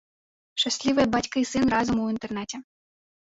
Шчаслівыя бацька і сын разам у інтэрнаце.